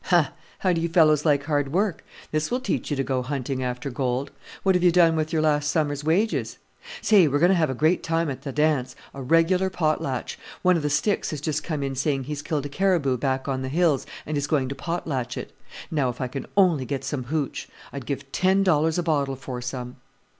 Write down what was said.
"Ha! how do you fellows like hard work? This will teach you to go hunting after gold! What have you done with your last summer's wages? Say! we're going to have a great time at the dance a regular potlatch: one of the Sticks has just come in saying he's killed a caribou back on the hills, and is going to potlatch it. Now if I can only get some hootch! I'd give ten dollars a bottle for some."